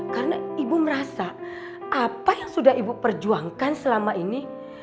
karena ibu merasa apa yang sudah ibu perjuangkan selama ini